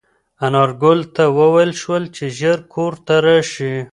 انارګل ته وویل شول چې ژر کور ته راشي.